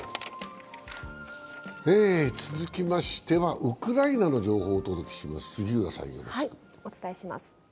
続きましては、ウクライナの情報をお届けします。